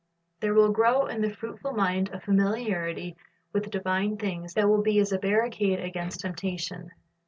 There will grow in the fruitful mind a familiarit}' with divine things that will be as a barricade against temptation.